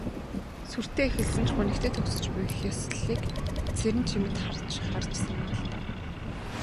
Сүртэй эхэлсэн ч гунигтай төгсөж буй их ёслолыг Цэрэнчимэд харж харж санаа алдав.